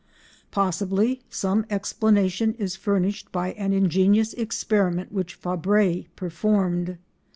Possibly some explanation is furnished by an ingenious experiment which Fabre performed.